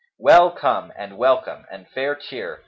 "Well come, and welcome and fair cheer!"